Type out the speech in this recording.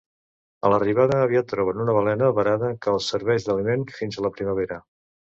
A l'arribada, aviat troben una balena avarada que els serveix d'aliment fins a la primavera.